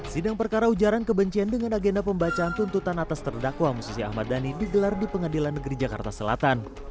sidang perkara ujaran kebencian dengan agenda pembacaan tuntutan atas terdakwa musisi ahmad dhani digelar di pengadilan negeri jakarta selatan